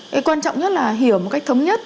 cái quan trọng nhất là hiểu một cách thống nhất